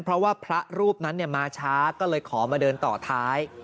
เพราะว่าพระรูปนั้นมาช้าก็เลยขอมาเดินต่อท้าย